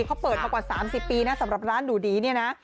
เขาเปิดมากว่า๓๐ปีนะสำหรับร้านหนูดีเนี่ยนะ